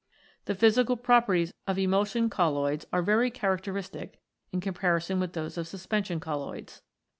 The physical properties of Emulsion Colloids are very characteristic in comparison with those of the suspension colloids.